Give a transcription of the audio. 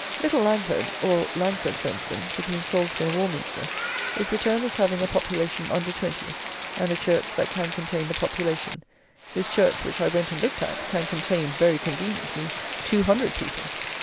Little Langford, or Landford, for instance, between Salisbury and Warminster, is returned as having a population under twenty, and a church that "can contain the population." This church, which I went and looked at, can contain, very conveniently, two hundred people!